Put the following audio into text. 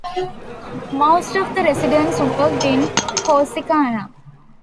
Most of the residents worked in Corsicana.